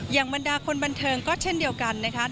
อย่างวันดาคนบรรเทิงก็เช่นเดียวกันนะครับ